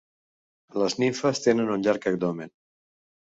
Les nimfes tenen un llarg abdomen.